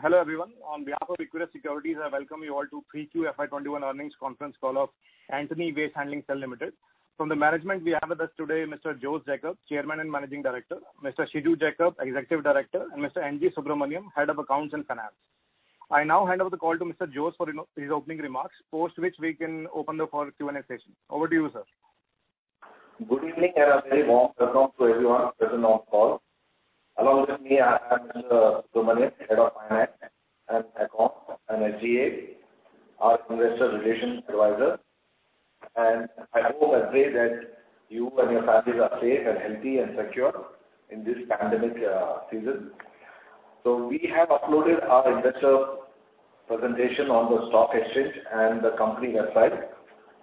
Hello, everyone. On behalf of Equirus Securities, I welcome you all to Q3 FY 2021 earnings conference call of Antony Waste Handling Cell Limited. From the management, we have with us today Mr. Jose Jacob, Chairman and Managing Director, Mr. Shiju Jacob, Executive Director, and Mr. N.G. Subramaniam, Head of Accounts and Finance. I now hand over the call to Mr. Jose for his opening remarks, post which we can open the floor Q&A session. Over to you, sir. Good evening, a very warm welcome to everyone present on call. Along with me, I have Mr. Subramaniam, head of finance and accounts, and SGA, our investor relations advisor. I hope and pray that you and your families are safe and healthy and secure in this pandemic season. We have uploaded our investor presentation on the stock exchange and the company website.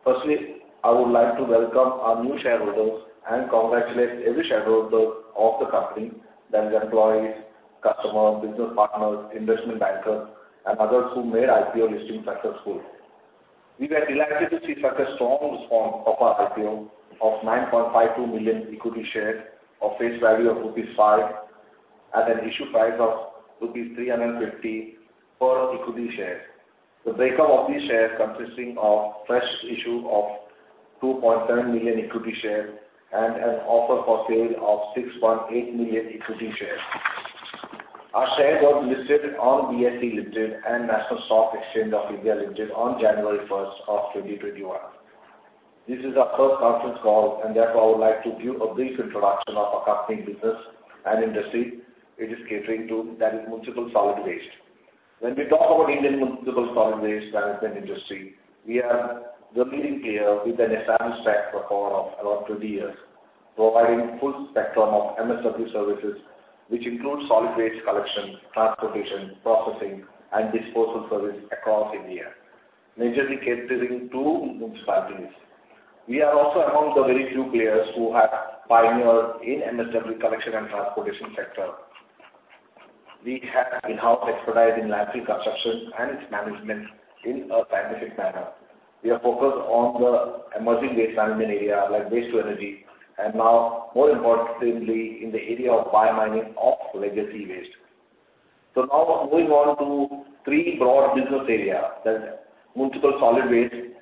Firstly, I would like to welcome our new shareholders and congratulate every shareholder of the company, that is employees, customers, business partners, investment bankers, and others who made IPO listing successful. We were delighted to see such a strong response of our IPO of 9.52 million equity shares of face value of rupees 5 at an issue price of rupees 350 per equity share. The breakup of these shares consisting of fresh issue of 2.7 million equity shares and an offer for sale of 6.8 million equity shares. Our shares are listed on BSE Limited and National Stock Exchange of India Limited on January 1st of 2021. This is our first conference call, and therefore, I would like to give a brief introduction of our company business and industry it is catering to, that is municipal solid waste. When we talk about Indian municipal solid waste management industry, we are the leading player with an established track record of around 20 years, providing full spectrum of MSW services, which include solid waste collection, transportation, processing, and disbursal service across India, majorly catering to municipalities. We are also amongst the very few players who have pioneered in MSW collection and transportation sector. We have in-house expertise in landfill construction and its management in a scientific manner. We are focused on the emerging waste management area like waste to energy, and now more importantly, in the area of bio-mining of legacy waste. Moving on to three broad business area, that is municipal solid waste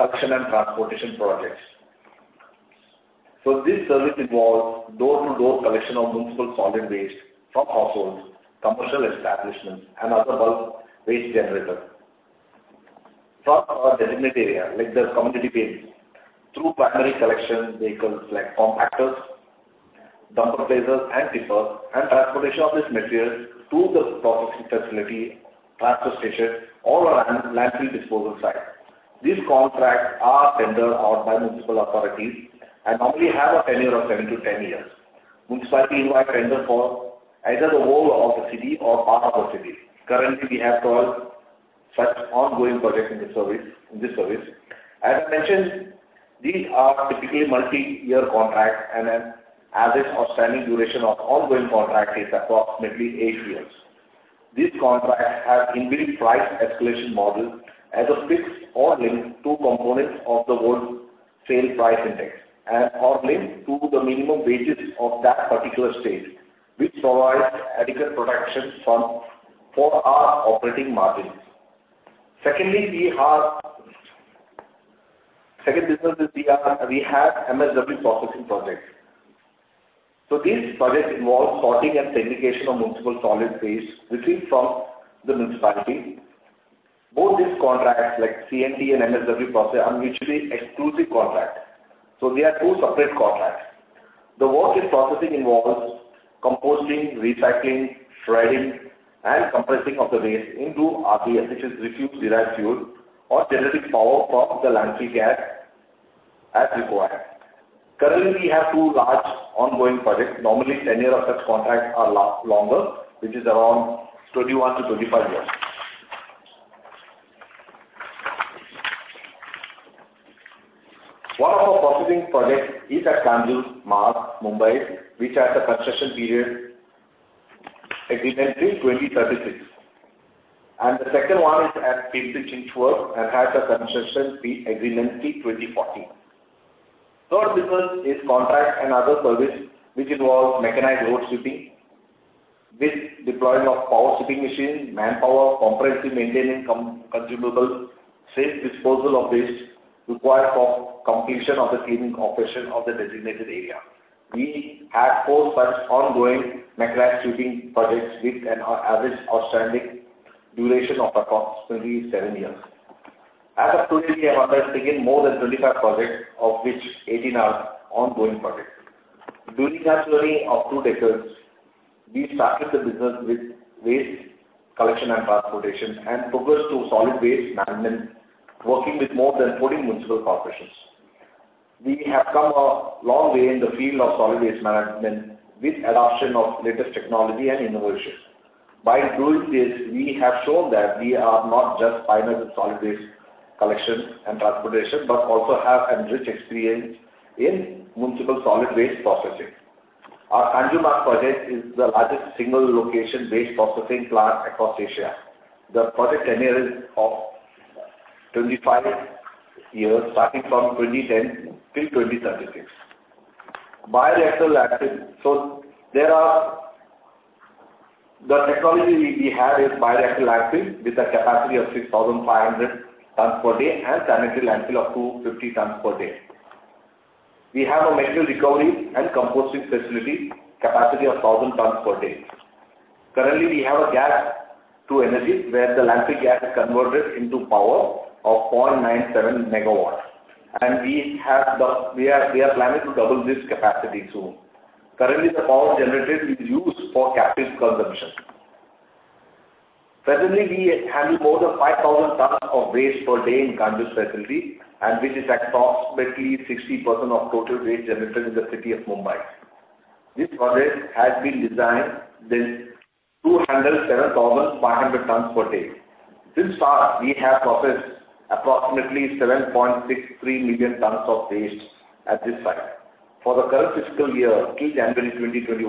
collection and transportation projects. This service involves door-to-door collection of municipal solid waste from households, commercial establishments, and other bulk waste generator from a designated area like the community bin, through primary collection vehicles like compactors, dumper placers and tippers, and transportation of this material to the processing facility, transfer station, or a landfill disposal site. These contracts are tendered out by municipal authorities and normally have a tenure of seven to 10 years. Municipalities invite tender for either the whole of the city or part of a city. Currently, we have 12 such ongoing projects in this service. As I mentioned, these are typically multi-year contracts and an average outstanding duration of ongoing contract is approximately eight years. These contracts have inbuilt price escalation model as a fixed or linked to components of the Wholesale Price Index and are linked to the minimum wages of that particular state, which provides adequate protection for our operating margins. Second business is we have MSW processing projects. These projects involve sorting and segregation of municipal solid waste received from the municipality. Both these contracts, like C&T and MSW process, are mutually exclusive contract, so they are two separate contracts. The waste processing involves composting, recycling, shredding, and compressing of the waste into RDF, which is Refuse-Derived Fuel, or generating power from the landfill gas as required. Currently, we have two large ongoing projects. Normally, tenure of such contracts are longer, which is around 21-25 years. One of our processing projects is at Kanjurmarg, Mumbai, which has a concession period agreement till 2036, and the second one is at Pitlochry, Inchworm, and has a concession agreement till 2040. Third business is contract and other service, which involves mechanized road sweeping with deploying of power sweeping machine, manpower, comprehensive maintaining consumables, safe disposal of waste required for completion of the cleaning operation of the designated area. We have four such ongoing mechanized sweeping projects with an average outstanding duration of approximately seven years. As of today, we have undertaken more than 25 projects, of which 18 are ongoing projects. During our journey of two decades, we started the business with waste collection and transportation and progressed to solid waste management, working with more than 40 municipal corporations. We have come a long way in the field of solid waste management with adoption of latest technology and innovation. By doing this, we have shown that we are not just pioneers in solid waste collection and transportation, but also have a rich experience in municipal solid waste processing. Our Kanjurmarg project is the largest single location waste processing plant across Asia. The project tenure is of 25 years, starting from 2010 till 2036. The technology we have is bioreactor landfill with a capacity of 6,500 tons per day and sanitary landfill of 250 tons per day. We have a material recovery and composting facility capacity of 1,000 tons per day. Currently, we have a gas to energy, where the landfill gas is converted into power of 0.97 MW, and we are planning to double this capacity soon. Currently, the power generated is used for captive consumption. Presently, we handle more than 5,000 tons of waste per day in Kanjurmarg facility, which is approximately 60% of total waste generated in the city of Mumbai. This project has been designed with 207,500 tons per day. Since start, we have processed approximately 7.63 million tons of waste at this site. For the current fiscal year, till January 2021,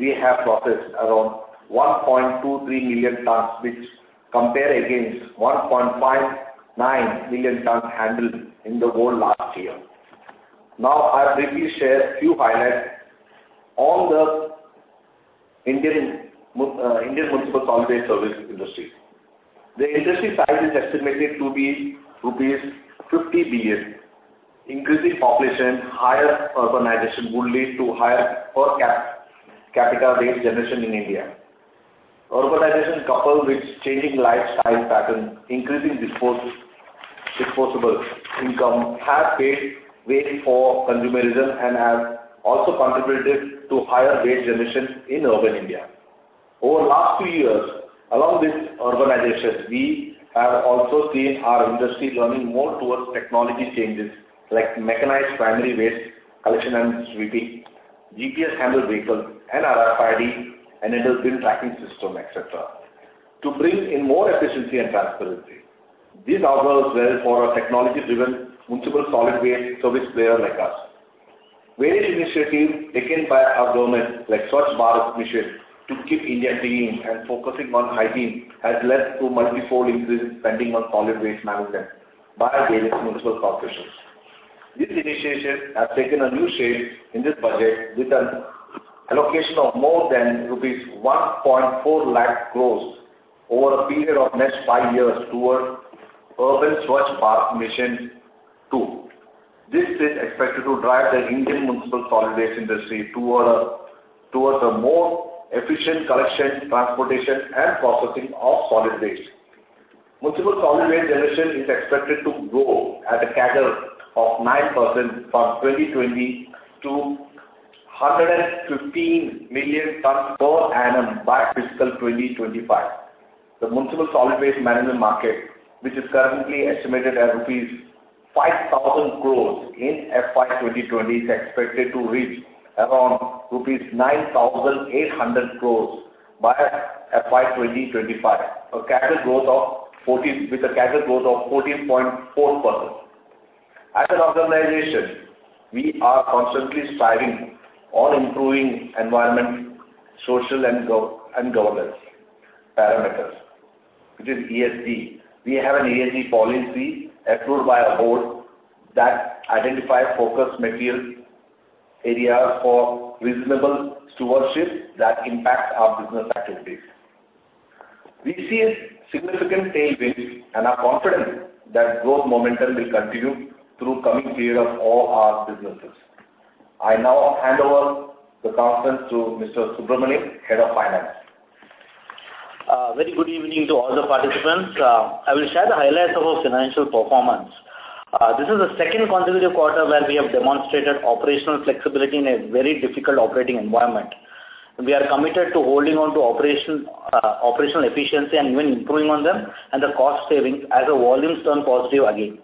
we have processed around 1.23 million tons, which compare against 1.59 million tons handled in the whole last year. I'll briefly share a few highlights on the Indian municipal solid waste service industry. The industry size is estimated to be rupees 50 billion. Increasing population, higher urbanization would lead to higher per capita waste generation in India. Urbanization coupled with changing lifestyle patterns, increasing disposable income, have paved way for consumerism and has also contributed to higher waste generation in urban India. Over last few years, along with urbanization, we have also seen our industry turning more towards technology changes like mechanized primary waste collection and sweeping, GPS-enabled vehicles, and RFID-enabled bin tracking system, et cetera, to bring in more efficiency and transparency. This bodes well for a technology-driven municipal solid waste service player like us. Various initiatives taken by our government, like Swachh Bharat Mission, to keep India clean and focusing on hygiene has led to multi-fold increase in spending on solid waste management by various municipal corporations. These initiatives have taken a new shape in this budget with an allocation of more than rupees 1.4 lakh crore over a period of next five years towards Urban Swachh Bharat Mission Two. This is expected to drive the Indian municipal solid waste industry towards a more efficient collection, transportation, and processing of solid waste. Municipal Solid Waste generation is expected to grow at a CAGR of 9% from 2020 to 115 million tons per annum by FY 2025. The Municipal Solid Waste management market, which is currently estimated at rupees 5,000 crore in FY 2020, is expected to reach around rupees 9,800 crore by FY 2025, with a CAGR growth of 14.4%. As an organization, we are constantly striving on improving environment, social, and governance parameters, which is ESG. We have an ESG policy approved by our board that identifies focus material areas for reasonable stewardship that impact our business activities. We see a significant tailwind and are confident that growth momentum will continue through coming period of all our businesses. I now hand over the conference to Mr. Subramaniam, Head of Finance. Very good evening to all the participants. I will share the highlights of our financial performance. This is the second consecutive quarter where we have demonstrated operational flexibility in a very difficult operating environment. We are committed to holding on to operational efficiency and even improving on them and the cost savings as the volumes turn positive again.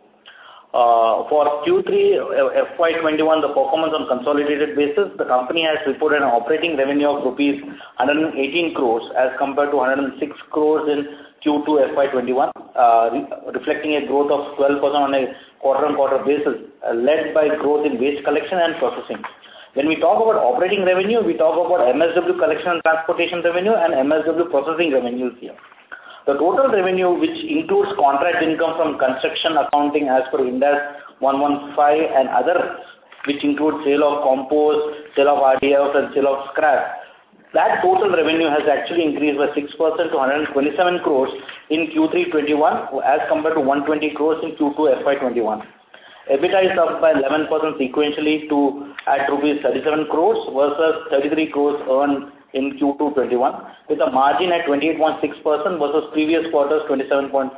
For Q3 FY 2021, the performance on consolidated basis, the company has reported an operating revenue of rupees 118 crore as compared to 106 crore in Q2 FY 2021, reflecting a growth of 12% on a quarter-on-quarter basis, led by growth in waste collection and processing. When we talk about operating revenue, we talk about MSW collection and transportation revenue and MSW processing revenues here. The total revenue, which includes contract income from construction accounting as per Ind AS 115 and others, which include sale of compost, sale of RDF, and sale of scrap, that total revenue has actually increased by 6% to 127 crores in Q3 2021, as compared to 120 crores in Q2 FY 2021. EBITDA is up by 11% sequentially to at rupees 37 crores versus 33 crores earned in Q2 2021, with a margin at 28.6% versus previous quarter's 27.4%.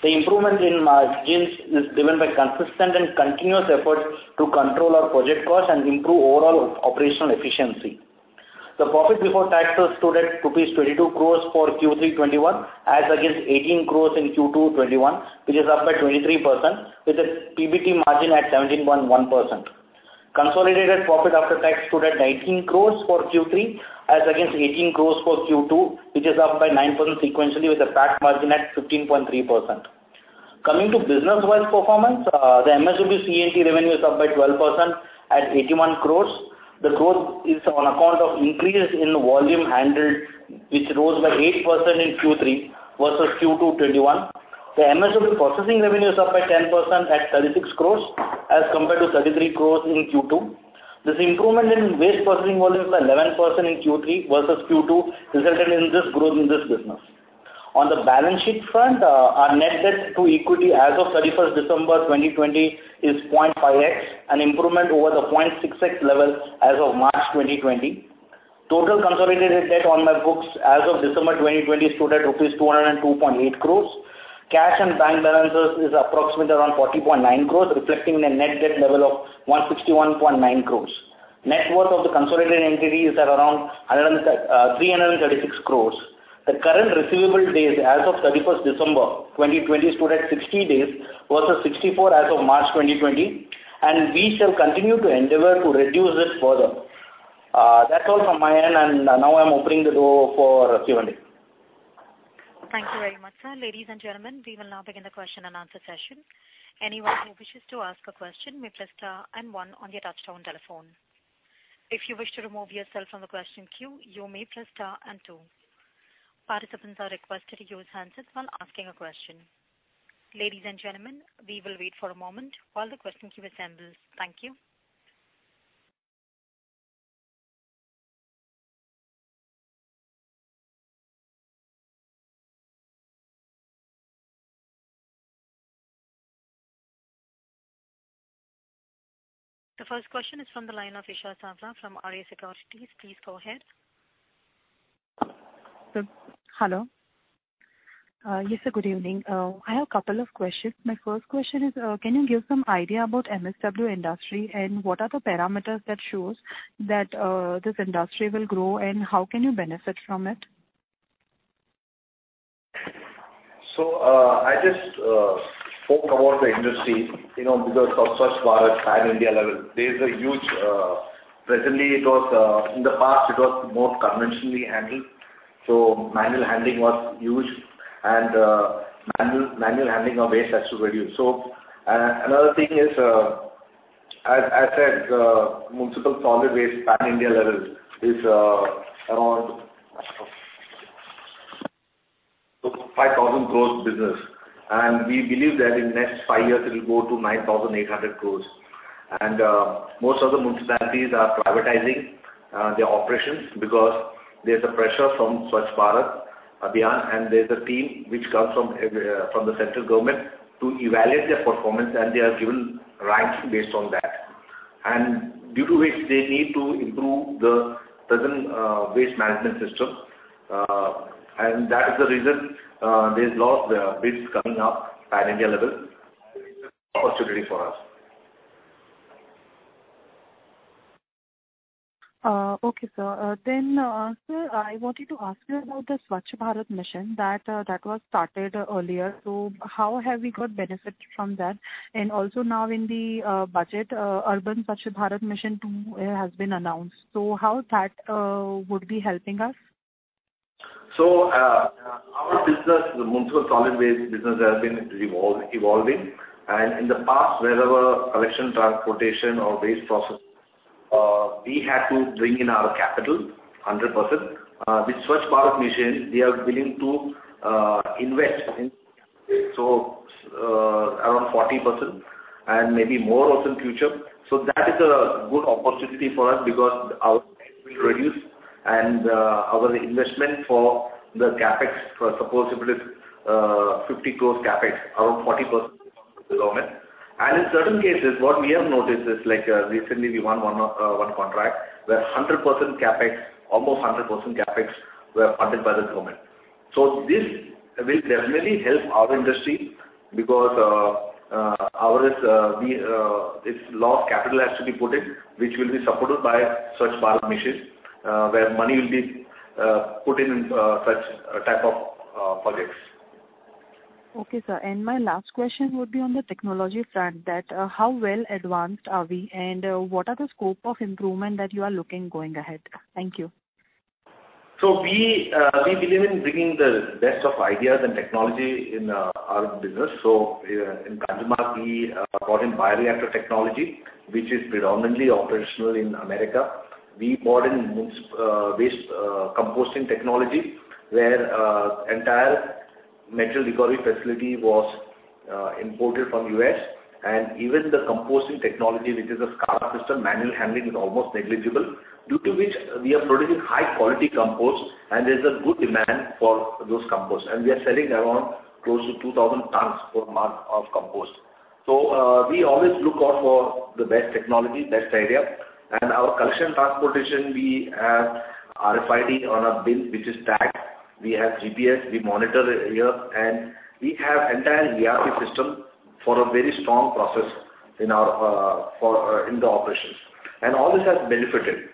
The improvement in margins is driven by consistent and continuous efforts to control our project costs and improve overall operational efficiency. The profit before tax stood at rupees 22 crores for Q3 2021, as against 18 crores in Q2 2021, which is up by 23%, with a PBT margin at 17.1%. Consolidated profit after tax stood at 19 crores for Q3 as against 18 crores for Q2, which is up by 9% sequentially with a PAT margin at 15.3%. Coming to business-wise performance, the MSW C&T revenue is up by 12% at 81 crores. The growth is on account of increases in volume handled, which rose by 8% in Q3 versus Q2 2021. The MSW processing revenues up by 10% at 36 crores as compared to 33 crores in Q2. This improvement in waste processing volumes by 11% in Q3 versus Q2 resulted in this growth in this business. On the balance sheet front, our net debt to equity as of 31st December 2020 is 0.5x, an improvement over the 0.6x level as of March 2020. Total consolidated debt on our books as of December 2020 stood at rupees 202.8 crores. Cash and bank balances is approximately around 40.9 crores, reflecting a net debt level of 161.9 crores. Net worth of the consolidated entity is at around 336 crores. The current receivable days as of 31st December 2020 stood at 60 days versus 64 as of March 2020. We shall continue to endeavor to reduce this further. That's all from my end. Now I'm opening the door for Q&A. Thank you very much, sir. Ladies and gentlemen, we will now begin the question and answer session. The first question is from the line of Isha Savla from Arya Securities. Please go ahead. Hello. Yes, sir, good evening. I have a couple of questions. My first question is, can you give some idea about MSW industry, and what are the parameters that shows that this industry will grow, and how can you benefit from it? I just spoke about the industry, because of Swachh Bharat at PAN India level. Presently, in the past, it was more conventionally handled. Manual handling was huge, and manual handling of waste has to reduce. Another thing is, as I said, municipal solid waste PAN India level is around INR 5,000 crore business. We believe that in next five years, it will go to 9,800 crore. Most of the municipalities are privatizing their operations because there's a pressure from Swachh Bharat Abhiyan, and there's a team which comes from the central government to evaluate their performance, and they are given ranks based on that. Due to which they need to improve the present waste management system. That is the reason there's lot of bids coming up PAN India level and it's an opportunity for us. Okay, sir. Sir, I wanted to ask you about the Swachh Bharat Mission that was started earlier. How have we got benefit from that? Also now in the budget, urban Swachh Bharat Mission 2.0 has been announced. How that would be helping us? Our business, the municipal solid waste business, has been evolving. In the past, wherever collection, transportation or waste process, we had to bring in our capital 100%. With Swachh Bharat Mission, they are willing to invest around 40% and maybe more also in future. That is a good opportunity for us because our debt will reduce and our investment for the CapEx, suppose if it is 50 crore CapEx, around 40% comes from the government. In certain cases, what we have noticed is like, recently we won one contract where almost 100% CapEx were funded by the government. This will definitely help our industry because, less capital has to be put in, which will be supported by Swachh Bharat Mission, where money will be put in such type of projects. Okay, sir. My last question would be on the technology front that how well advanced are we, and what are the scope of improvement that you are looking going ahead? Thank you. We believe in bringing the best of ideas and technology in our business. In Kanjurmarg, we have brought in bioreactor technology, which is predominantly operational in America. We bought in waste composting technology, where entire metal recovery facility was imported from U.S. and even the composting technology, which is a SCADA system, manual handling is almost negligible, due to which we are producing high quality compost and there's a good demand for those compost. We are selling around close to 2,000 tons per month of compost. We always look out for the best technology, best idea, and our collection transportation, we have RFID on our bin which is tagged, we have GPS, we monitor here, and we have entire ERP system for a very strong process in the operations. All this has benefited.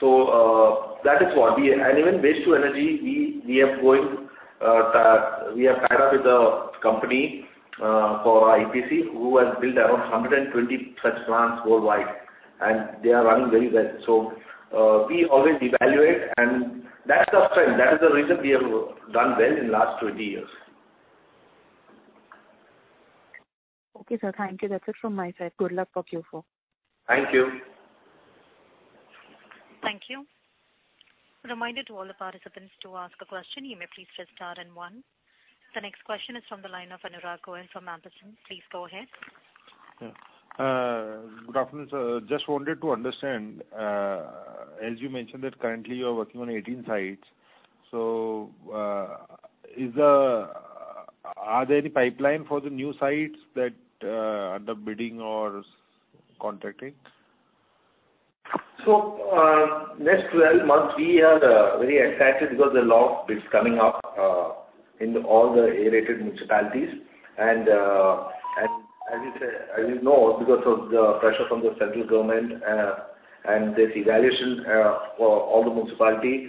That is what. Even waste to energy, we have tied up with a company for our EPC who has built around 120 such plants worldwide, and they are running very well. We always evaluate and that's our strength. That is the reason we have done well in last 20 years. Okay, sir. Thank you. That's it from my side. Good luck for Q4. Thank you. Thank you. The next question is from the line of Anurag Patil from [Roha]. Please go ahead. Good afternoon, sir. Just wanted to understand, as you mentioned that currently you are working on 18 sites. Are there any pipeline for the new sites that are under bidding or contracting? Next 12 months, we are very excited because a lot of bids coming up in all the A-rated municipalities. As you know, because of the pressure from the central government and this evaluation for all the municipality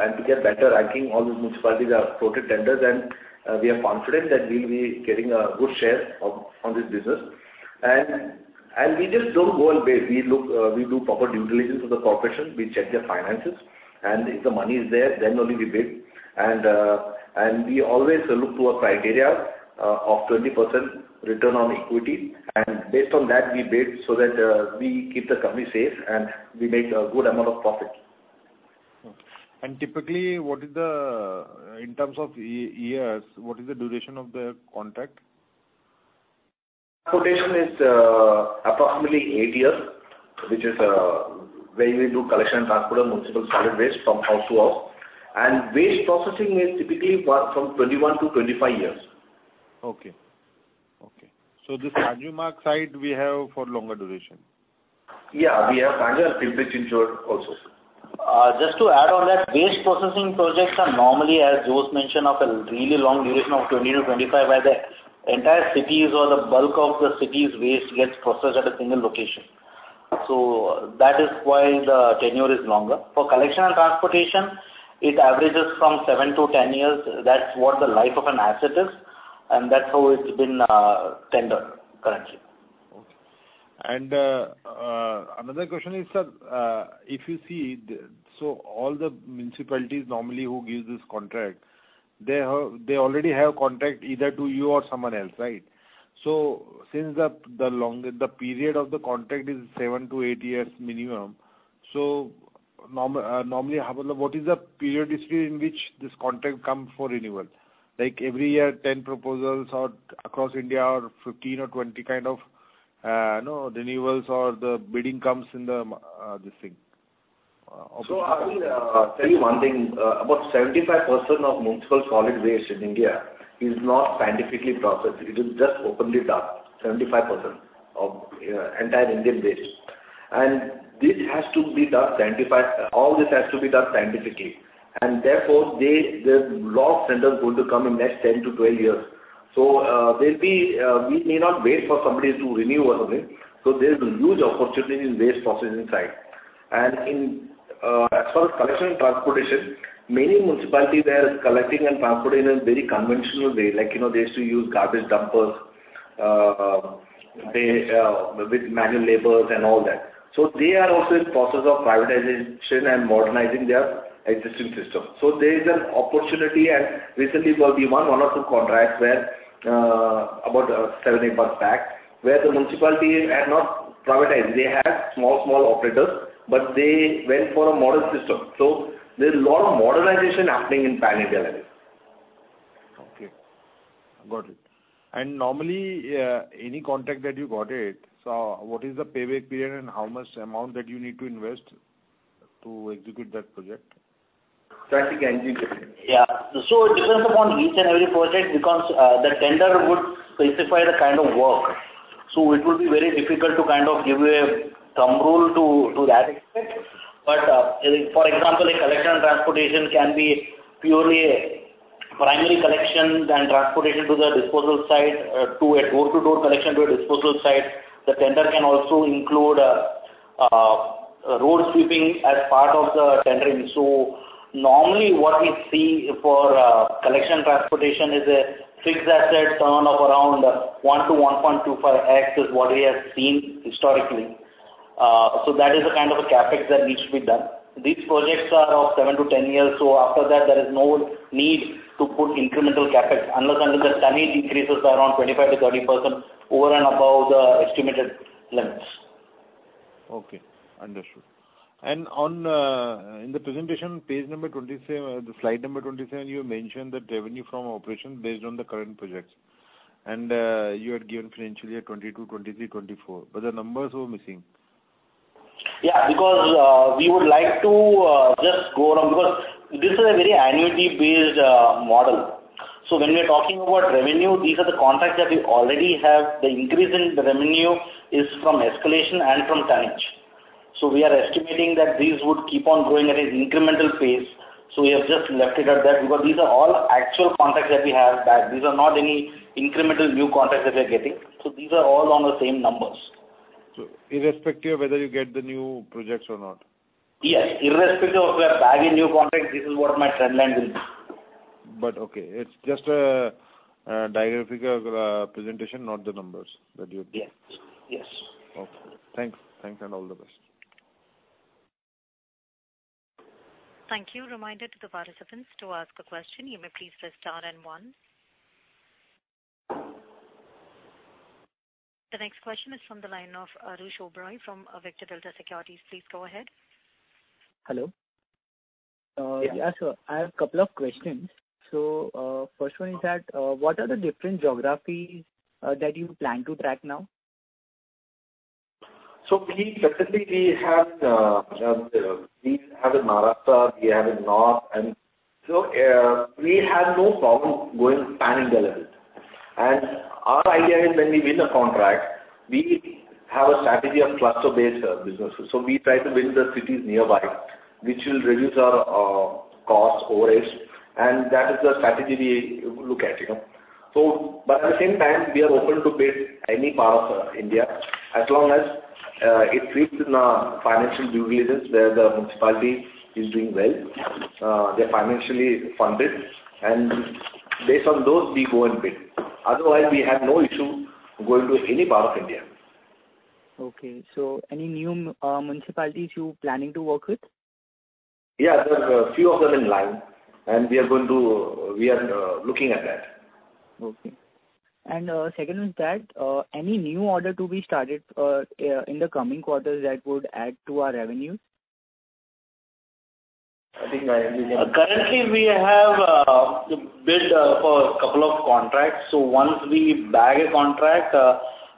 and to get better ranking, all the municipalities have floated tenders, and we are confident that we'll be getting a good share of this business. We just don't go and bid. We do proper due diligence with the corporation. We check their finances, and if the money is there, then only we bid. We always look to a criteria of 20% return on equity, and based on that, we bid so that we keep the company safe and we make a good amount of profit. Okay. Typically, in terms of years, what is the duration of the contract? Transportation is approximately eight years, which is where we do collection and transport of municipal solid waste from house to house, and waste processing is typically from 21-25 years. Okay. This Kanjurmarg site we have for longer duration? Yeah, we have Kanjurmarg, Pimpri-Chinchwad, Insaur also, sir. To add on that, waste processing projects are normally, as Jose mentioned, of a really long duration of 20-25, where the entire cities or the bulk of the city's waste gets processed at a single location. That is why the tenure is longer. For Collection and Transportation, it averages from seven to 10 years. That's what the life of an asset is, and that's how it's been tendered currently. Okay. Another question is, sir, if you see, all the municipalities normally who give this contract, they already have a contract either to you or someone else, right? Since the period of the contract is seven to eight years minimum, normally, what is the periodicity in which this contract come for renewal? Like every year, 10 proposals or across India or 15 or 20 kind of renewals or the bidding comes in the thing? I will tell you one thing. About 75% of Municipal Solid Waste in India is not scientifically processed. It is just openly dumped, 75% of entire Indian waste. All this has to be done scientifically. Therefore, the law centers going to come in next 10-12 years. We may not wait for somebody to renew or something. There's a huge opportunity in waste processing side. As far as Collection and Transportation, many municipalities, they are collecting and transporting in a very conventional way. They used to use garbage dumpers, with manual labors and all that. They are also in process of privatization and modernizing their existing system. There is an opportunity, and recently we won one or two contracts where, about seven, eight months back, where the municipality had not privatized. They had small operators, but they went for a modern system. There's a lot of modernization happening in pan India, at least. Okay. Got it. Normally, any contract that you got it, so what is the payback period and how much amount that you need to invest to execute that project? Traffic and execution. It depends upon each and every project because the tender would specify the kind of work. It will be very difficult to give you a thumb rule to that extent. For example, a Collection and Transportation can be purely primary Collection and Transportation to the disposal site, to a door-to-door Collection to a disposal site. The tender can also include road sweeping as part of the tendering. Normally, what we see for Collection Transportation is a fixed asset turn of around 1x-1.25x, is what we have seen historically. That is a kind of a CapEx that needs to be done. These projects are of seven to 10 years, after that, there is no need to put incremental CapEx unless and until the tonnage increases around 25%-30% over and above the estimated lengths. Okay. Understood. In the presentation, slide number 27, you mentioned the revenue from operations based on the current projects. You had given financially at FY 2022, FY 2023, FY 2024, but the numbers were missing. Yeah, because this is a very annuity-based model. When we are talking about revenue, these are the contracts that we already have. The increase in the revenue is from escalation and from tonnage. We are estimating that these would keep on growing at an incremental pace. We have just left it at that because these are all actual contracts that we have. These are not any incremental new contracts that we are getting. These are all on the same numbers. Irrespective of whether you get the new projects or not? Yes. Irrespective of we are bagging new contracts, this is what my trend line will be. Okay. It's just a diagrammatical presentation, not the numbers that you have given. Yes. Okay. Thanks. Thanks, and all the best. Thank you. Reminder to the participants to ask a question, you may please press star one. The next question is from the line of Roop Shobroy from Vector Delta Securities. Please go ahead. Hello. Yeah. Yes. I have a couple of questions. First one is that, what are the different geographies that you plan to track now? Presently we have in Maharashtra, we have in north. We have no problem going, spanning the length. Our idea is when we win a contract, we have a strategy of cluster-based businesses. We try to win the cities nearby, which will reduce our cost overheads, and that is the strategy we look at. By the same time, we are open to bid any part of India as long as it fits in our financial due diligence, where the municipality is doing well. They're financially funded, and based on those, we go and bid. Otherwise, we have no issue going to any part of India. Okay, any new municipalities you're planning to work with? Yeah, there are a few of them in line, and we are looking at that. Okay. Second is that any new order to be started in the coming quarters that would add to our revenues? Currently we have bid for a couple of contracts. Once we bag a contract,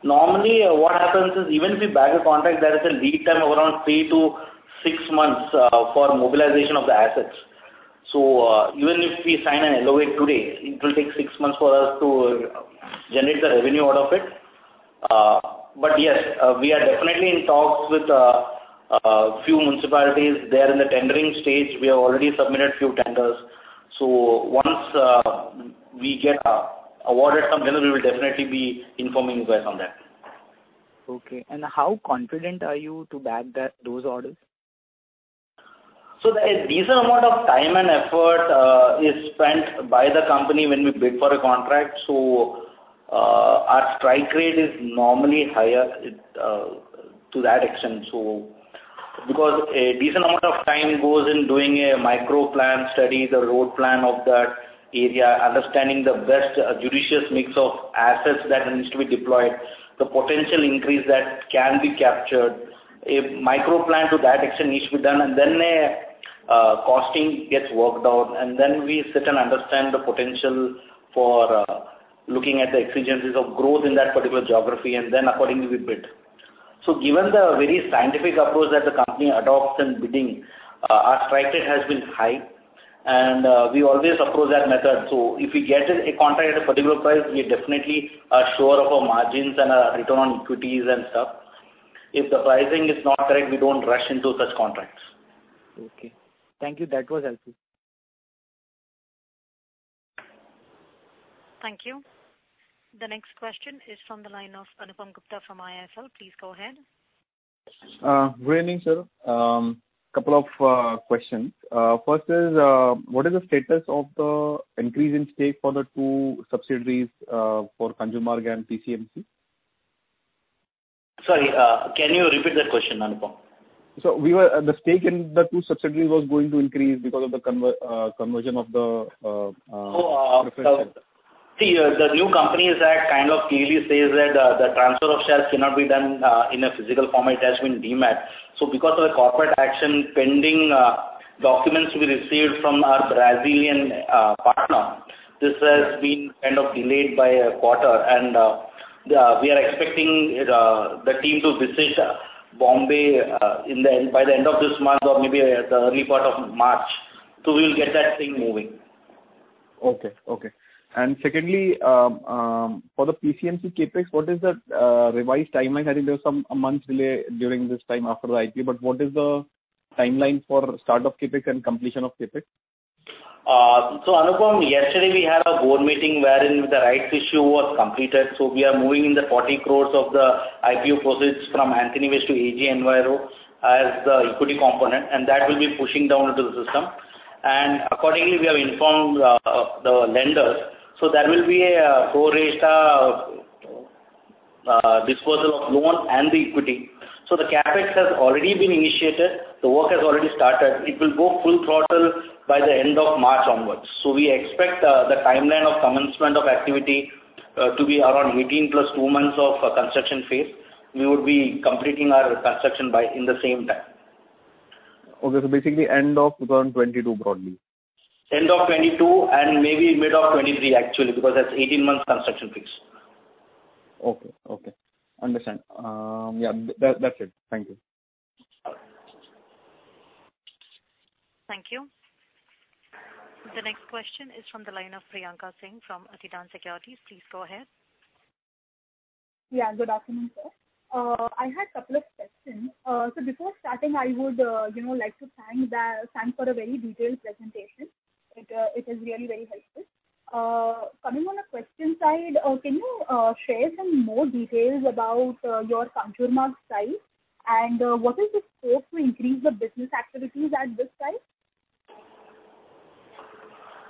normally what happens is even if we bag a contract, there is a lead time around three to six months for mobilization of the assets. Even if we sign an LOA today, it will take six months for us to generate the revenue out of it. Yes, we are definitely in talks with a few municipalities. They are in the tendering stage. We have already submitted few tenders. Once we get awarded something, then we will definitely be informing you guys on that. How confident are you to bag those orders? A decent amount of time and effort is spent by the company when we bid for a contract. Our strike rate is normally higher to that extent. A decent amount of time goes in doing a micro plan study, the road plan of that area, understanding the best judicious mix of assets that needs to be deployed, the potential increase that can be captured. A micro plan to that extent needs to be done, and then a costing gets worked out, and then we sit and understand the potential for looking at the exigencies of growth in that particular geography, and then accordingly we bid. Given the very scientific approach that the company adopts in bidding, our strike rate has been high, and we always approach that method. If we get a contract at a particular price, we definitely are sure of our margins and our return on equities and stuff. If the pricing is not correct, we don't rush into such contracts. Okay. Thank you. That was helpful. Thank you. The next question is from the line of Anupam Gupta from IIFL. Please go ahead. Good evening, sir. Couple of questions. First is, what is the status of the increase in stake for the two subsidiaries, for Kanjurmarg and PCMC? Sorry, can you repeat that question, Anupam? The stake in the two subsidiaries was going to increase because of the conversion of. Oh. preference shares. See, the new Companies Act kind of clearly says that the transfer of shares cannot be done in a physical format. It has to be in DEMAT. Because of the corporate action pending documents to be received from our Brazilian partner, this has been kind of delayed by a quarter, and we are expecting the team to visit Bombay by the end of this month or maybe the early part of March. We'll get that thing moving. Okay. Secondly, for the PCMC CapEx, what is the revised timeline? I think there's a month delay during this time after the IP, but what is the timeline for start of CapEx and completion of CapEx? Anupam, yesterday we had a board meeting wherein the rights issue was completed. We are moving the 40 crores of the IPO proceeds from Antony Waste to AG Enviro as the equity component, and that will be pushing down into the system. Accordingly, we have informed the lenders. There will be a pro rata disposal of loan and the equity. The CapEx has already been initiated. The work has already started. It will go full throttle by the end of March onwards. We expect the timeline of commencement of activity to be around 18+ two months of construction phase. We would be completing our construction in the same time. Okay, basically end of 2022 broadly. End of 2022 and maybe mid of 2023 actually, because that's 18 months construction phase. Okay. Understand. Yeah. That's it. Thank you. All right. Thank you. The next question is from the line of Priyanka Singh from Aditya Securities. Please go ahead. Good afternoon, sir. I had couple of questions. Before starting, I would like to thank for a very detailed presentation. It is really very helpful. Coming on the question side, can you share some more details about your Kanjurmarg site, and what is the scope to increase the business activities at this site?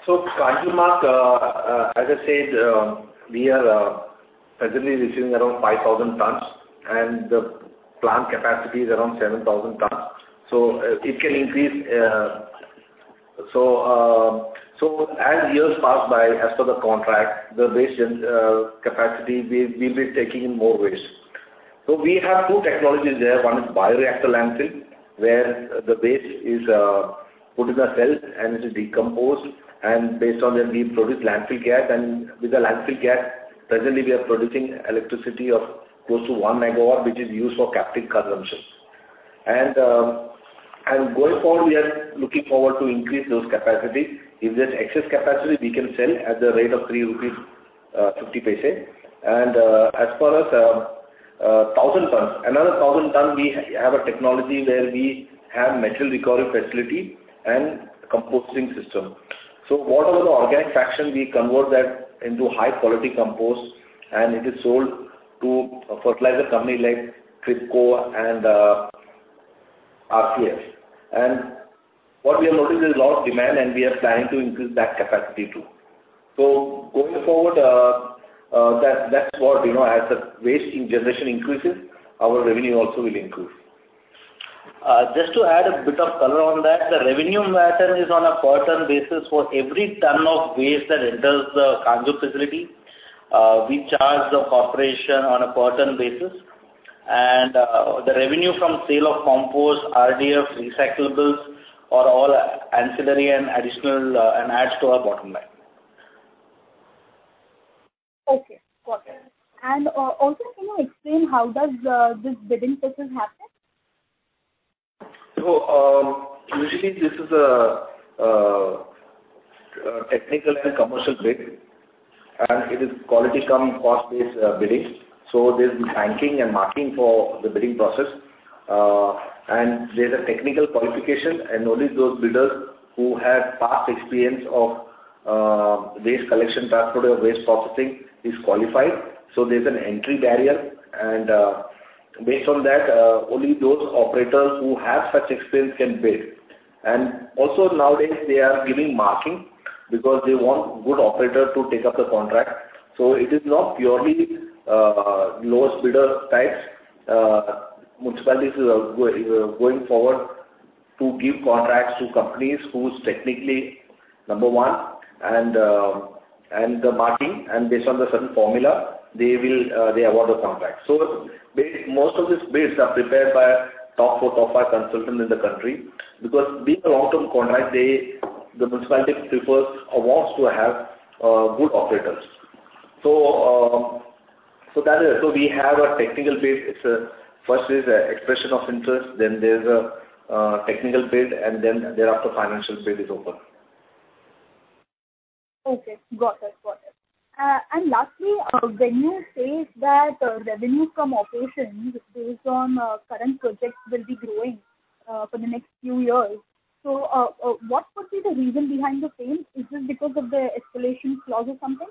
Kanjurmarg, as I said, we are presently receiving around 5,000 tons, and the plant capacity is around 7,000 tons, it can increase. As years pass by, as per the contract, the waste capacity, we'll be taking in more waste. We have two technologies there. One is bioreactor landfill, where the waste is put in a cell and it is decomposed. Based on that, we produce landfill gas. With the landfill gas, presently we are producing electricity of close to 1 MW, which is used for captive consumption. Going forward, we are looking forward to increase those capacities. If there's excess capacity, we can sell at the rate of 3.50 rupees. As per another 1,000 ton, we have a technology where we have metal recovery facility and composting system. Whatever the organic fraction, we convert that into high quality compost, and it is sold to a fertilizer company like IFFCO and RCF. What we have noticed is lot of demand, and we are planning to increase that capacity, too. Going forward, as the waste generation increases, our revenue also will increase. Just to add a bit of color on that, the revenue pattern is on a per ton basis. For every ton of waste that enters the Kanjur facility, we charge the corporation on a per ton basis, and the revenue from sale of compost, RDF, recyclables are all ancillary and additional, and adds to our bottom line. Okay, got it. Also, can you explain how does this bidding process happen? Usually this is a technical and commercial bid, and it is quality-cum-cost based bidding. There's ranking and marking for the bidding process, and there's a technical qualification, and only those bidders who have past experience of waste collection, transport of waste processing is qualified. There's an entry barrier, and based on that, only those operators who have such experience can bid. Also nowadays, they are giving marking because they want good operator to take up the contract. It is not purely lowest bidder types. Municipalities are going forward to give contracts to companies who's technically number one, and the marking, and based on the certain formula, they award the contract. Most of these bids are prepared by top four, top five consultants in the country, because being a long-term contract, the municipality prefers or wants to have good operators. We have a technical bid. First is expression of interest, then there's a technical bid, and then thereafter financial bid is open. Okay, got it. Lastly, when you say that revenue from operations based on current projects will be growing for the next few years, so what could be the reason behind the same? Is this because of the escalation clause or something?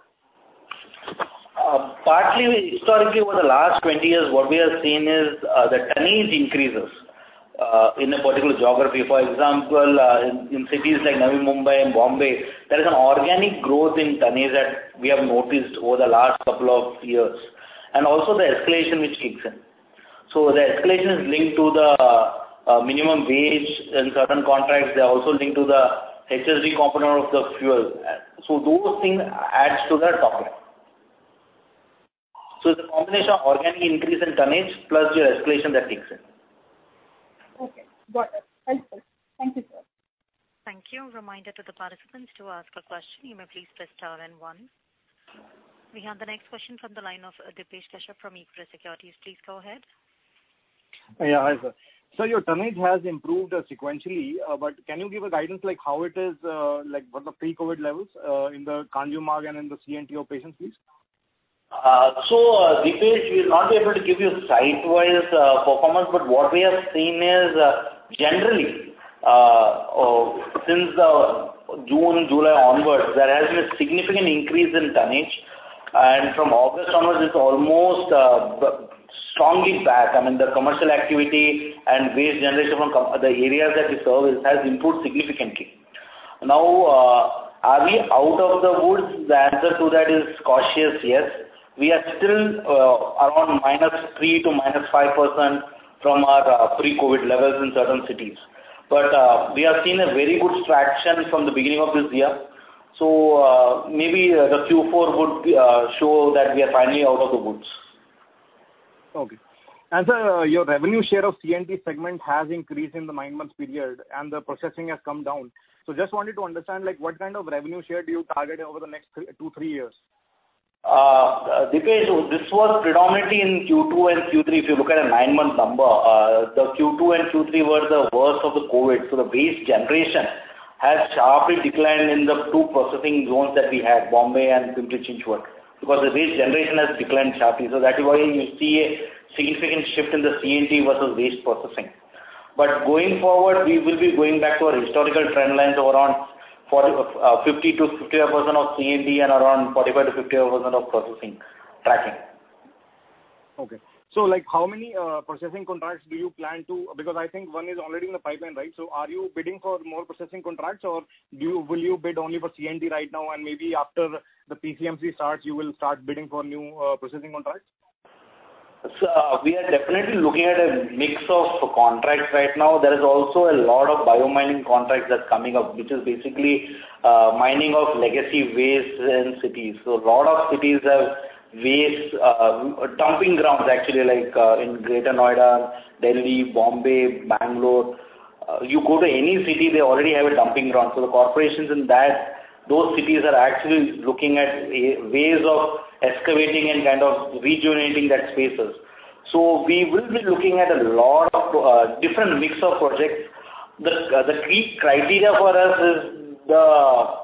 Partly. Historically, over the last 20 years, what we have seen is the tonnage increases in a particular geography. For example, in cities like Navi Mumbai and Bombay, there is an organic growth in tonnage that we have noticed over the last couple of years, and also the escalation which kicks in. The escalation is linked to the minimum wage in certain contracts. They are also linked to the HSD component of the fuel. Those things adds to the contract. It's a combination of organic increase in tonnage plus your escalation that kicks in. Okay, got it. Helpful. Thank you, sir. Thank you. Reminder to the participants to ask a question, you may please press star and one. We have the next question from the line of Dipesh Keshar from Ekta Securities. Please go ahead. Yeah, hi sir. Sir, your tonnage has improved sequentially. Can you give a guidance like how it is like what the pre-COVID levels, in the Kanjurmarg and in the C&T operations, please? Dipesh, we will not be able to give you site-wise performance, but what we have seen is generally, since June, July onwards, there has been a significant increase in tonnage. From August onwards, it's almost strongly back. I mean, the commercial activity and waste generation from the areas that we service has improved significantly. Are we out of the woods? The answer to that is cautious yes. We are still around -3% to -5% from our pre-COVID levels in certain cities. We have seen a very good traction from the beginning of this year, so maybe the Q4 would show that we are finally out of the woods. Okay. Sir, your revenue share of C&T segment has increased in the nine months period and the processing has come down. Just wanted to understand what kind of revenue share do you target over the next two, three years? Dipesh, this was predominantly in Q2 and Q3. If you look at the nine-month number, the Q2 and Q3 were the worst of the COVID. The waste generation has sharply declined in the two processing zones that we had, Bombay and Pimpri-Chinchwad because the waste generation has declined sharply. That is why you see a significant shift in the C&T versus waste processing. Going forward, we will be going back to our historical trend lines of around 50%-55% of C&T and around 45%-50% of processing tracking. Okay. How many processing contracts do you plan to, because I think one is already in the pipeline, right? Are you bidding for more processing contracts, or will you bid only for C&T right now, and maybe after the PCMC starts, you will start bidding for new processing contracts? Sir, we are definitely looking at a mix of contracts right now. There is also a lot of bio-mining contracts that's coming up, which is basically mining of legacy waste in cities. A lot of cities have waste dumping grounds, actually, like in Greater Noida, Delhi, Bombay, Bangalore. You go to any city, they already have a dumping ground. The corporations in those cities are actually looking at ways of excavating and kind of rejuvenating that spaces. We will be looking at a lot of different mix of projects. The key criteria for us is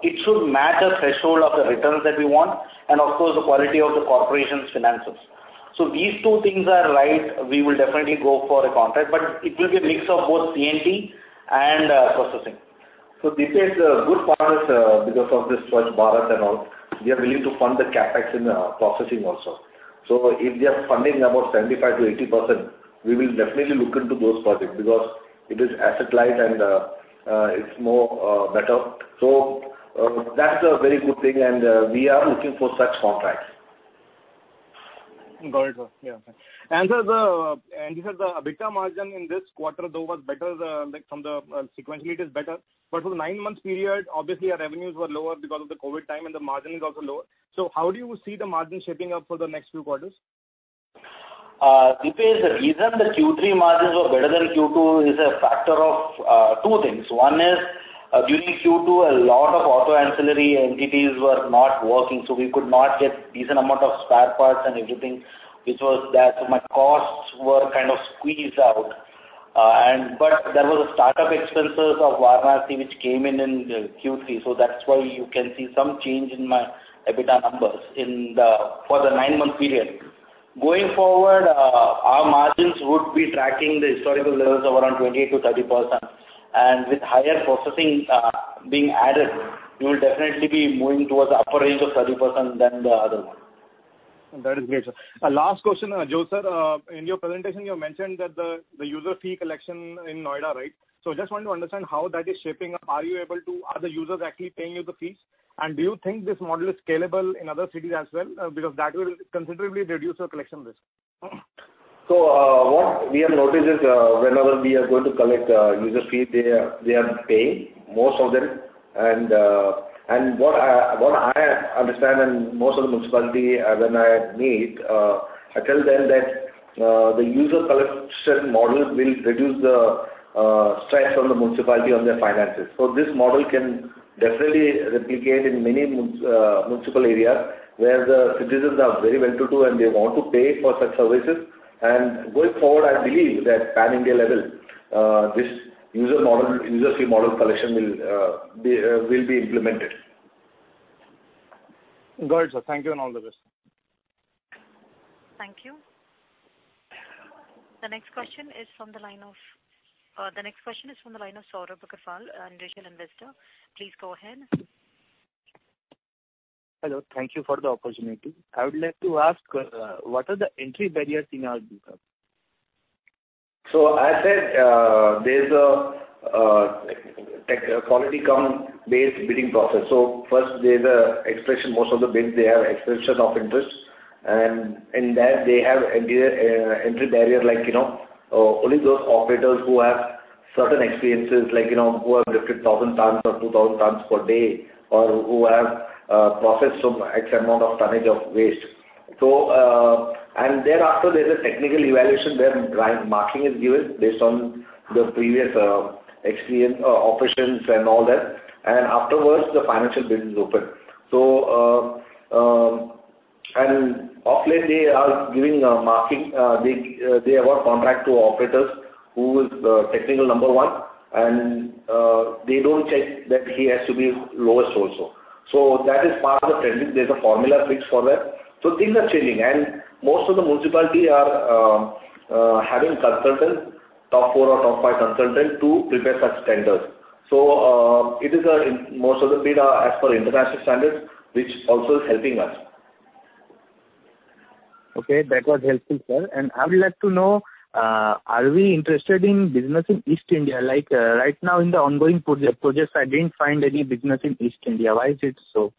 it should match the threshold of the returns that we want, and of course, the quality of the corporation's finances. These two things are right, we will definitely go for a contract, but it will be a mix of both C&T and processing. Dipesh, good part is because of this Swachh Bharat and all, they are willing to fund the CapEx in processing also. If they are funding about 75%-80%, we will definitely look into those projects because it is asset light, and it's better. That's a very good thing, and we are looking for such contracts. Got it, sir. Yeah. You said the EBITDA margin in this quarter, though, was better, like sequentially it is better. For the nine months period, obviously our revenues were lower because of the COVID time and the margin is also lower. How do you see the margin shaping up for the next few quarters? Dipesh, the reason the Q3 margins were better than Q2 is a factor of two things. One is during Q2, a lot of auto ancillary entities were not working, so we could not get decent amount of spare parts and everything, which was that. My costs were kind of squeezed out. There was a start-up expenses of Varanasi which came in in Q3. That's why you can see some change in my EBITDA numbers for the nine-month period. Going forward, our margins would be tracking the historical levels of around 28%-30%. With higher processing being added, we will definitely be moving towards the upper range of 30% than the other one. That is great, sir. Last question, Jose sir. In your presentation, you mentioned that the user fee collection in Noida, right? Just want to understand how that is shaping up. Are the users actually paying you the fees? Do you think this model is scalable in other cities as well? That will considerably reduce your collection risk. What we have noticed is whenever we are going to collect user fee, they are paying, most of them. What I understand and most of the municipality, when I meet, I tell them that the user collection model will reduce the stress on the municipality on their finances. This model can definitely replicate in many municipal areas where the citizens are very well to do, and they want to pay for such services. Going forward, I believe that pan-India level, this user fee model collection will be implemented. Got it, sir. Thank you, and all the best. Thank you. The next question is from the line of Saurabh Agrawal, Regional Investor. Please go ahead. Hello. Thank you for the opportunity. I would like to ask, what are the entry barriers in our? As said, there's a quality cum based bidding process. First, most of the bids, they have expression of interest. In that they have entry barrier, like only those operators who have certain experiences, like who have lifted 1,000 tons or 2,000 tons per day, or who have processed some X amount of tonnage of waste. Thereafter, there's a technical evaluation where marking is given based on the previous operations and all that. Afterwards, the financial bid is open. Of late, they are giving marking. They award contract to operators who is the technical number 1, and they don't check that he has to be lowest also. That is part of the trend. There's a formula fixed for that. Things are changing, and most of the municipality are having consultant, top four or top five consultant to prepare such tenders. Most of the bid are as per international standards, which also is helping us. Okay, that was helpful, sir. I would like to know, are we interested in business in East India? Like right now in the ongoing projects, I didn't find any business in East India. Why is it so?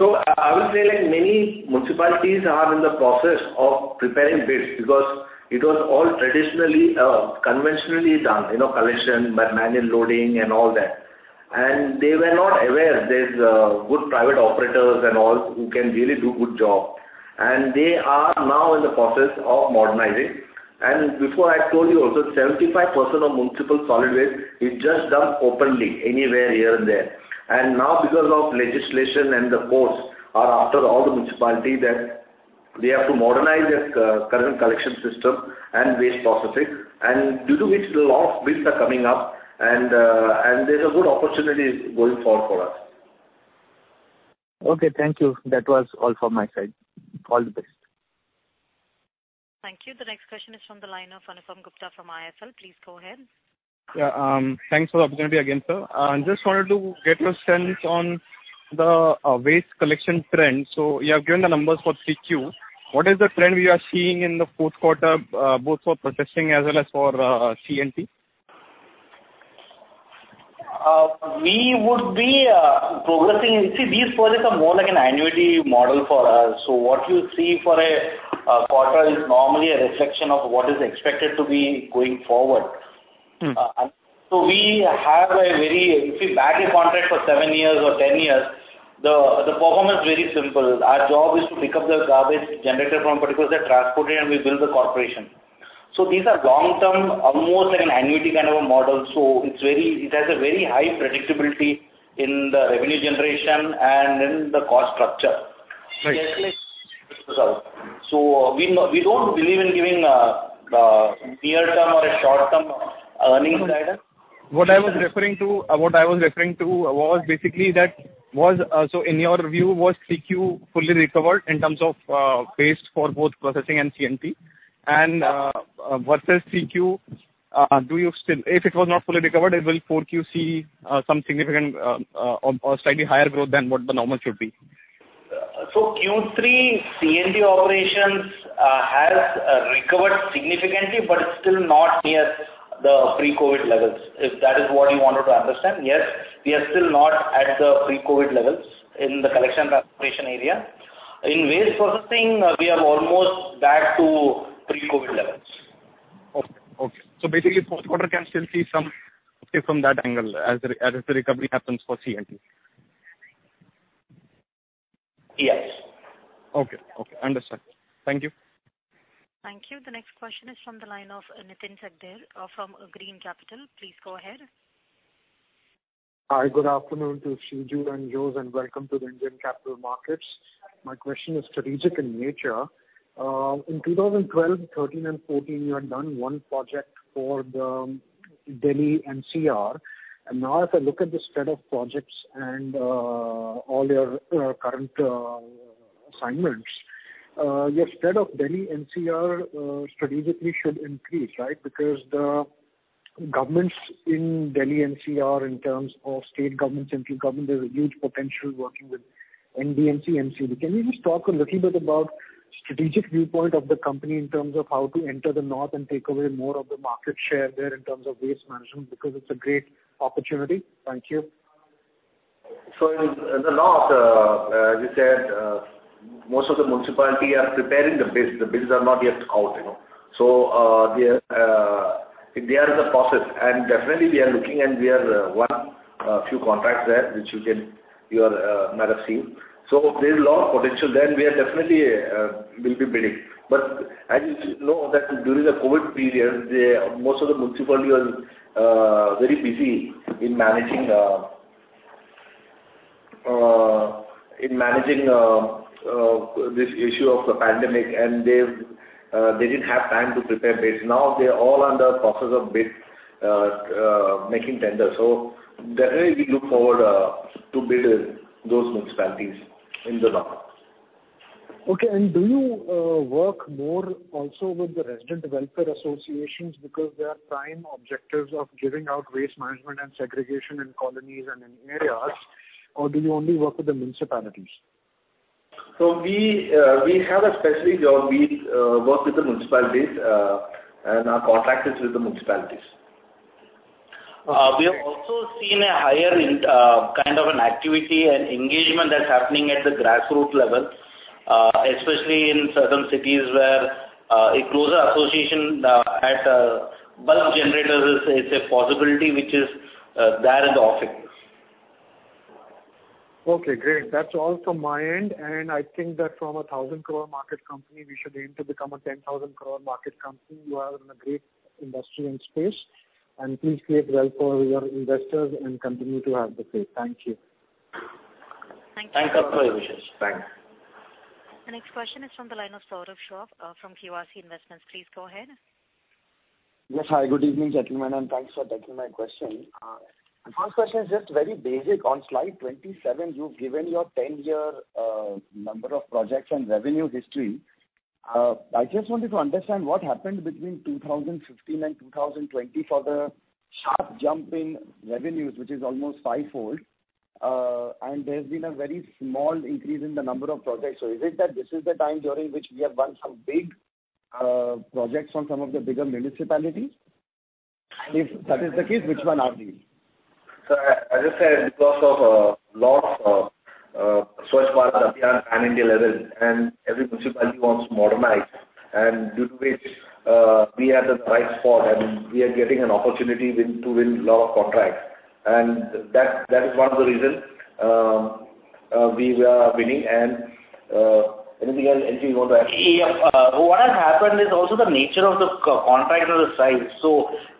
I would say like many municipalities are in the process of preparing bids because it was all traditionally, conventionally done, collection, manual loading, and all that. They were not aware there's good private operators and all who can really do good job. They are now in the process of modernizing. Before I told you also, 75% of municipal solid waste is just dumped openly anywhere here and there. Now because of legislation and the courts are after all the municipality that they have to modernize their current collection system and waste processing. Due to which a lot of bids are coming up, and there's a good opportunity going forward for us. Okay, thank you. That was all from my side. All the best. Thank you. The next question is from the line of Anupam Gupta from IIFL. Please go ahead. Yeah, thanks for the opportunity again, sir. Just wanted to get your sense on the waste collection trend. You have given the numbers for 3Q. What is the trend we are seeing in the fourth quarter, both for processing as well as for C&T? We would be progressing. These projects are more like an annuity model for us. What you see for a quarter is normally a reflection of what is expected to be going forward. We have if we bag a contract for seven years or 10 years, the performance is very simple. Our job is to pick up the garbage generated from particulars, they're transported, and we bill the corporation. These are long-term, almost like an annuity kind of a model. It has a very high predictability in the revenue generation and in the cost structure. Right. We don't believe in giving the near term or a short term earnings guidance. What I was referring to was, in your view, was 3Q fully recovered in terms of waste for both processing and C&T? Versus 3Q, if it was not fully recovered, will 4Q see some significant or slightly higher growth than what the normal should be? Q3 C&T operations has recovered significantly, but it's still not near the pre-COVID levels, if that is what you wanted to understand. Yes, we are still not at the pre-COVID levels in the collection transportation area. In waste processing, we are almost back to pre-COVID levels. Okay. Basically, fourth quarter can still see some uplift from that angle as the recovery happens for C&T. Yes. Okay. Understood. Thank you. Thank you. The next question is from the line of Nitin Gadge from Green Capital. Please go ahead. Hi, good afternoon to Shiju and Jose, and welcome to the Indian capital markets. My question is strategic in nature. In 2012, 2013, and 2014, you had done one project for the Delhi NCR, and now if I look at this spread of projects and all your current assignments, your spread of Delhi NCR strategically should increase, right? The governments in Delhi NCR in terms of state government, central government, there's a huge potential working with NDMC, MCD. Can you just talk a little bit about strategic viewpoint of the company in terms of how to enter the north and take away more of the market share there in terms of waste management, because it's a great opportunity. Thank you. In the north, as you said, most of the municipalities are preparing the bids. The bids are not yet out. They are in the process, and definitely we are looking, and we have won a few contracts there, which you might have seen. There's a lot of potential there, and we definitely will be bidding. As you know that during the COVID period, most of the municipalities were very busy in managing this issue of the pandemic, and they didn't have time to prepare bids. Now they are all in the process of bid making tenders. Definitely, we look forward to bid those municipalities in the north. Okay, do you work more also with the resident welfare associations because they are prime objectors of giving out waste management and segregation in colonies and in areas, or do you only work with the municipalities? We have a specific job. We work with the municipalities, and our contract is with the municipalities. Okay. We have also seen a higher kind of an activity and engagement that's happening at the grassroots level, especially in certain cities where a closer association at bulk generators is a possibility, which is there in the offing. Okay, great. That's all from my end. I think that from an 1,000 crore market company, we should aim to become an 10,000 crore market company. You are in a great industry and space. Please create wealth for your investors and continue to have the faith. Thank you. Thank you. Thanks for your wishes. Thanks. The next question is from the line of Saurabh Shah from QIC Investments. Please go ahead. Yes. Hi, good evening, gentlemen, and thanks for taking my question. The first question is just very basic. On slide 27, you've given your 10-year number of projects and revenue history. I just wanted to understand what happened between 2015 and 2020 for the sharp jump in revenues, which is almost fivefold. There's been a very small increase in the number of projects. Is it that this is the time during which we have won some big projects from some of the bigger municipalities? If that is the case, which one are these? As I said, because of lots of Swachh Bharat Abhiyan at pan-India level, and every municipality wants to modernize, and due to which, we are the right spot and we are getting an opportunity to win lot of contracts. That is one of the reasons we are winning. Anything else you want to add? Yeah. What has happened is also the nature of the contracts and the size.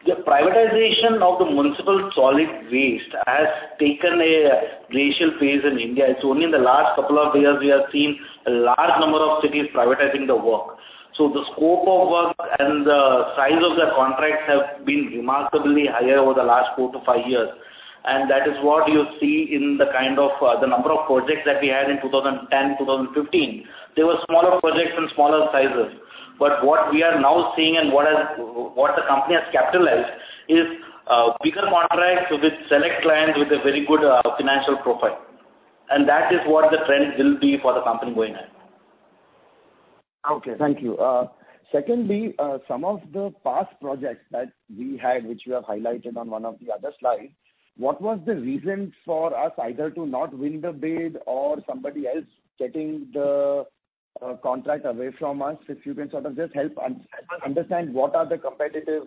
The privatization of the Municipal Solid Waste has taken a glacial pace in India. It's only in the last couple of years we have seen a large number of cities privatizing the work. The scope of work and the Size of the contracts have been remarkably higher over the last four to five years. That is what you see in the number of projects that we had in 2010, 2015. They were smaller projects and smaller sizes. What we are now seeing and what the company has capitalized is bigger contracts with select clients with a very good financial profile. That is what the trend will be for the company going ahead. Okay, thank you. Secondly, some of the past projects that we had, which you have highlighted on one of the other slides, what was the reason for us either to not win the bid or somebody else getting the contract away from us? If you can sort of just help us understand what are the competitive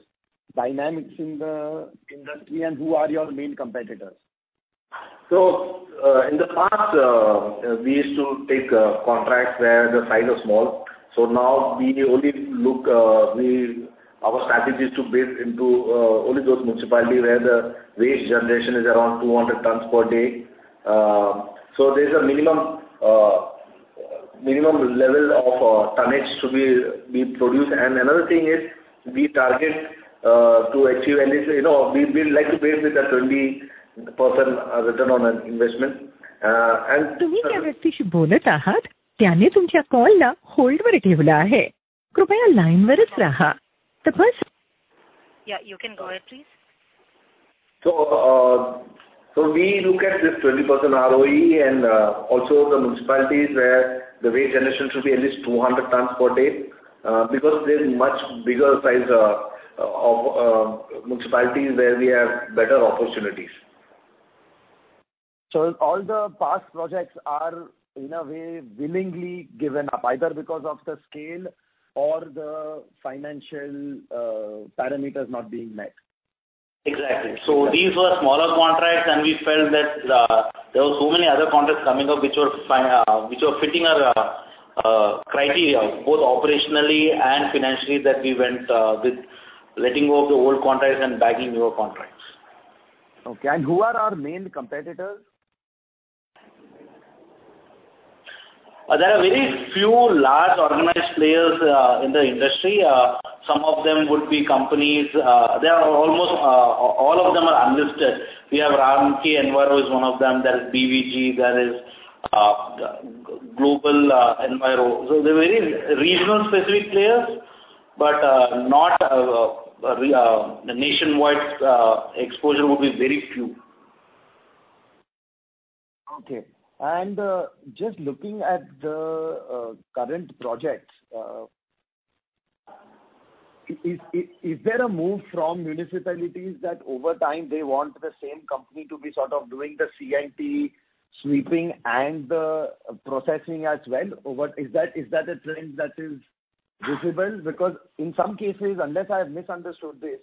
dynamics in the industry and who are your main competitors. In the past, we used to take contracts where the size was small. Now our strategy is to bid into only those municipalities where the waste generation is around 200 tons per day. There's a minimum level of tonnage to be produced, and another thing is, we would like to bid with a 20% return on investment. Yeah, you can go ahead please. We look at this 20% ROE and also the municipalities where the waste generation should be at least 200 tons per day, because there is much bigger size of municipalities where we have better opportunities. All the past projects are, in a way, willingly given up, either because of the scale or the financial parameters not being met. Exactly. These were smaller contracts, and we felt that there were so many other contracts coming up which were fitting our criteria, both operationally and financially, that we went with letting go of the old contracts and bagging newer contracts. Okay. Who are our main competitors? There are very few large organized players in the industry. Some of them would be companies. All of them are unlisted. We have Ramky Enviro is one of them. There is BVG, there is Global Enviro. They're very regional specific players, but the nationwide exposure would be very few. Okay. Just looking at the current projects, is there a move from municipalities that over time they want the same company to be sort of doing the C&T sweeping and the processing as well? Is that a trend that is visible? Because in some cases, unless I've misunderstood this,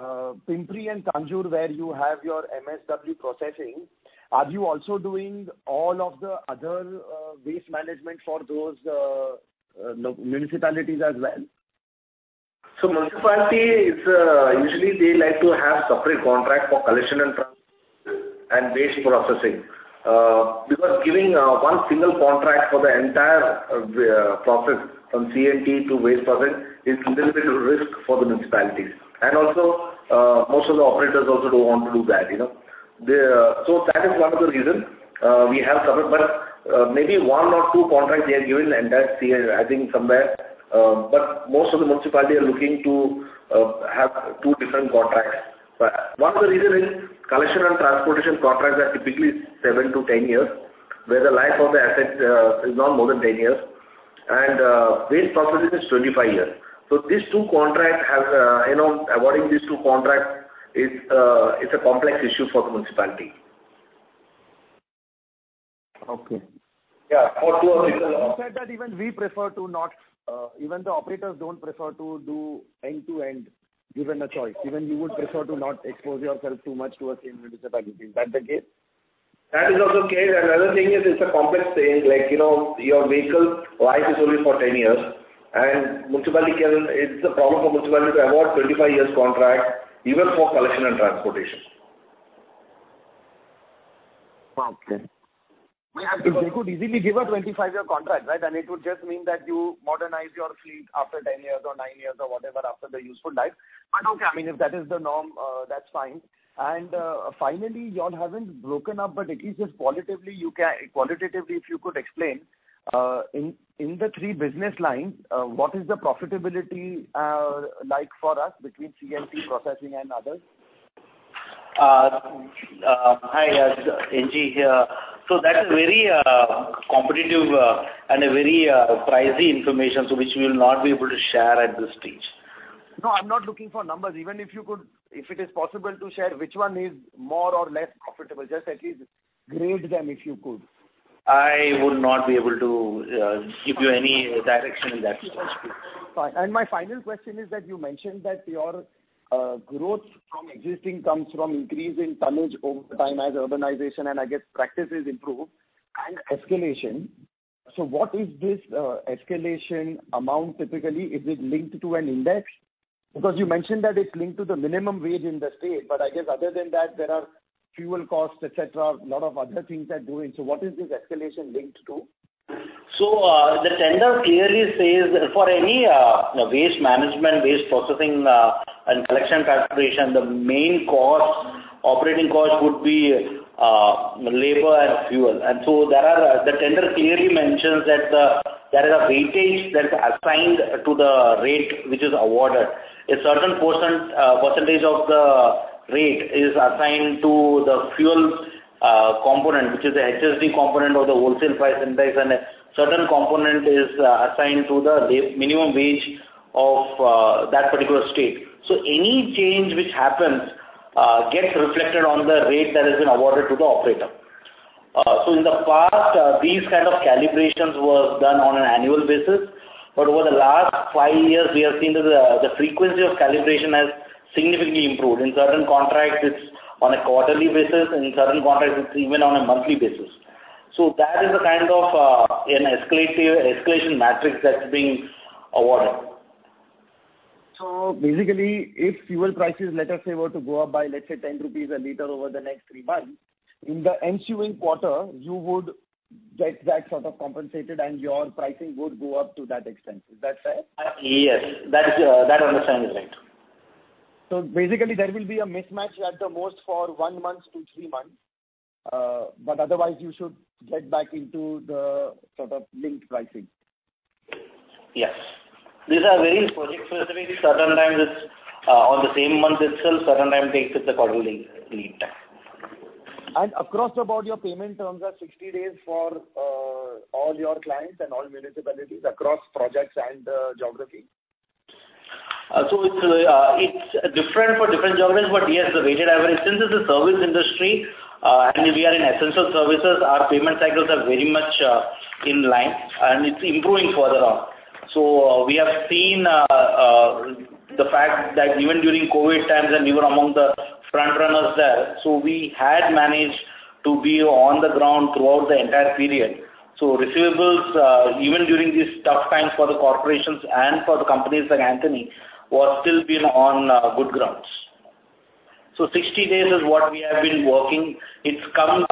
Pimpri and Kanjur, where you have your MSW processing, are you also doing all of the other waste management for those municipalities as well? Municipalities, usually they like to have separate contract for collection and transportation and waste processing. Because giving one single contract for the entire process from C&T to waste processing is a little bit of risk for the municipalities. Also, most of the operators also don't want to do that. That is one of the reason we have separate, but maybe one or two contracts they have given and that's I think somewhere, but most of the municipalities are looking to have two different contracts. One of the reason is collection and transportation contracts are typically 7-10 years, where the life of the asset is not more than 10 years, and waste processing is 25 years. Awarding these two contracts is a complex issue for the municipality. Okay. Yeah. For two. You said that even the operators don't prefer to do end to end, given a choice. Even you would prefer to not expose yourself too much to a same municipality. Is that the case? That is also the case, and another thing is it's a complex thing. Your vehicle life is only for 10 years, and it's a problem for municipalities to award 25 years contract, even for collection and transportation. Okay. They could easily give a 25-year contract, right? It would just mean that you modernize your fleet after 10 years or nine years or whatever after the useful life. Okay, I mean, if that is the norm, that's fine. Finally, you all haven't broken up, but at least just qualitatively if you could explain, in the three business lines, what is the profitability like for us between C&T, processing, and others? Hi, NG here. That is very competitive and a very pricey information, so which we'll not be able to share at this stage. No, I'm not looking for numbers. Even if it is possible to share which one is more or less profitable, just at least grade them if you could. I would not be able to give you any direction in that space. Fine. My final question is that you mentioned that your growth from existing comes from increase in tonnage over time as urbanization and I guess practices improve and escalation. What is this escalation amount typically? Is it linked to an index? Because you mentioned that it's linked to the minimum wage in the state, but I guess other than that there are fuel costs, et cetera, a lot of other things are going. What is this escalation linked to? The tender clearly says that for any waste management, waste processing, and collection transportation, the main operating cost would be labor and fuel. The tender clearly mentions that there is a weightage that's assigned to the rate which is awarded. A certain percentage of the rate is assigned to the fuel component, which is the HSD component of the Wholesale Price Index, and a certain component is assigned to the minimum wage of that particular state. Any change which happens gets reflected on the rate that has been awarded to the operator. In the past, these kind of calibrations were done on an annual basis, but over the last five years, we have seen that the frequency of calibration has significantly improved. In certain contracts, it's on a quarterly basis, and in certain contracts, it's even on a monthly basis. That is a kind of an escalation matrix that's being awarded. Basically, if fuel prices, let us say, were to go up by, let's say, 10 rupees a liter over the next three months, in the ensuing quarter, you would get that sort of compensated, and your pricing would go up to that extent. Is that fair? Yes. That understanding is right. Basically, there will be a mismatch at the most for one month to three months, but otherwise, you should get back into the sort of linked pricing. Yes. These are very project specific. Certain times it's on the same month itself, certain times takes its accordingly lead time. Across the board, your payment terms are 60 days for all your clients and all municipalities across projects and geography? It's different for different geographies, but yes, the weighted average. Since it's a service industry, and we are in essential services, our payment cycles are very much in line, and it's improving further on. We have seen the fact that even during COVID times, and we were among the frontrunners there. We had managed to be on the ground throughout the entire period. Receivables, even during these tough times for the corporations and for the companies like Antony, was still been on good grounds. 60 days is what we have been working. It's come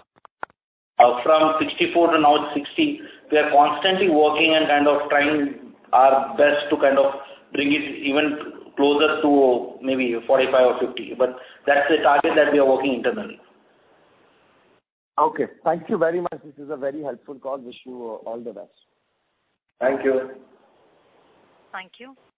from 64 to now it's 60. We are constantly working and kind of trying our best to kind of bring it even closer to maybe 45 or 50. That's the target that we are working internally. Okay. Thank you very much. This is a very helpful call. Wish you all the best. Thank you. Thank you.